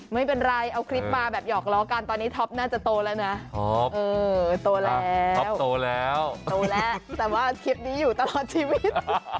ไม่เป็นไรเอาคลิปมาแบบหยอกล้อกันตอนนี้ท็อปน่าจะโตแล้วนะโตแล้วท็อปโตแล้วโตแล้วแต่ว่าคลิปนี้อยู่ตลอดชีวิต